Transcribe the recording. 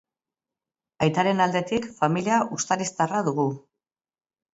Aitaren aldetik, familia uztariztarra dugu.